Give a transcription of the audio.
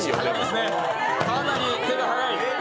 かなり手が速い。